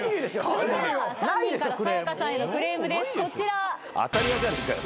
それでは３人からさや香さんへのクレームですこちら。